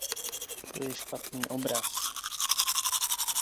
To je špatný obraz.